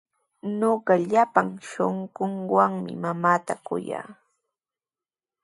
Ñuqa llapan shunquuwanmi mamaata kuyaa.